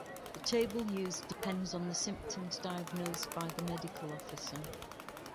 The table used depends on the symptoms diagnosed by the medical officer.